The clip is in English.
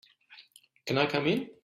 Can I come in?